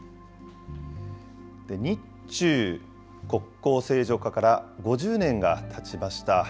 日中国交正常化から５０年がたちました。